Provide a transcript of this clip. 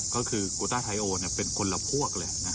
ก็คือกูต้าไทยโอเป็นคนละพวกเลย